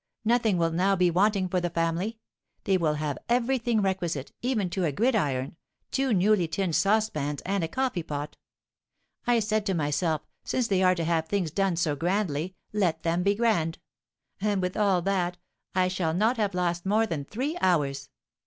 Nothing will now be wanting for the family; they will have everything requisite, even to a gridiron, two newly tinned saucepans, and a coffee pot. I said to myself, since they are to have things done so grandly, let them be grand; and, with all that, I shall not have lost more than three hours.